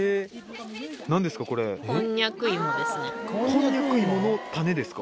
こんにゃく芋の種ですか？